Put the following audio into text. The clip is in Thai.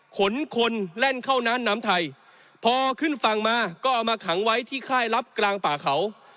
ขนคนแล่นเข้าน้ำน้ำไทยพอขึ้นฝั่งมาก็เอามาขังไว้ที่ค่ายลับกลางป่าเขา